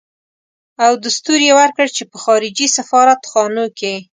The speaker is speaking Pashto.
او دستور يې ورکړ چې په خارجي سفارت خانو کې.